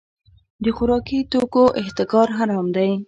د خوراکي توکو احتکار حرام دی.